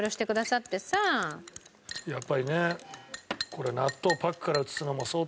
やっぱりね。